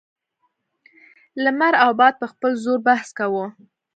لمر او باد په خپل زور بحث کاوه.